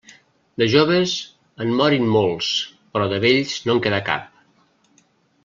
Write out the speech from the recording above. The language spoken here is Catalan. De joves en morin molts, però de vells no en queda cap.